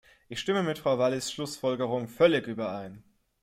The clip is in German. Ich stimme mit Frau Wallis’ Schlussfolgerung völlig überein.